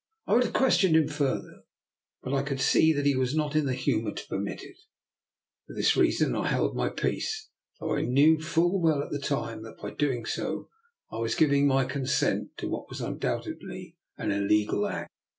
I would have questioned him further, but I could see that he was not in the humour to permit it. For this reason I held my peace, though I knew full well at the time that by so doing I was giving my consent to what was undoubt edly an illegal act.